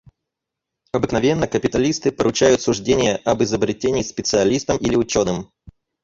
Обыкновенно капиталисты поручают суждение об изобретении специалистам или ученым.